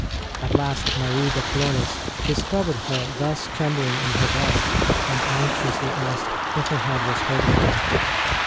At last Marie de Flores discovered her thus trembling in her bed, and anxiously asked if her head was hurting her.